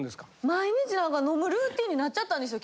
毎日何か飲むルーティンになっちゃったんですよ。